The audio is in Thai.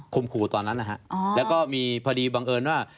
ขู่ตอนนั้นนะฮะแล้วก็มีพอดีบังเอิญว่า